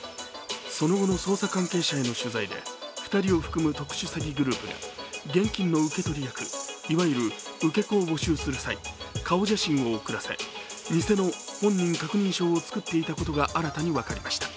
その後の捜査関係者への取材で２人を含む特殊詐欺グループが現金の受け取り役、いわゆる受け子を募集する際、顔写真を送らせ、偽の本人確認証を作っていたことが新たに分かりました。